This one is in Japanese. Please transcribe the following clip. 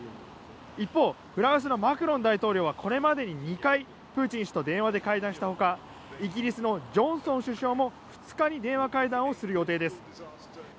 一方フランスのマクロン大統領はこれまでに２回プーチン氏と電話で会談したほかイギリスのジョンソン首相も２日に電話会談をする予定です。